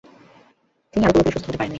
তিনি আর পুরোপুরি সুস্থ হতে পারেননি।